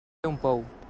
Fer un pou.